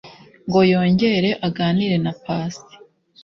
ngo yongere aganire na pasi.